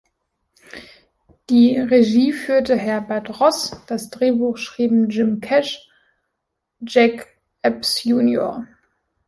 Die Regie führte Herbert Ross, das Drehbuch schrieben Jim Cash, Jack Epps Jr.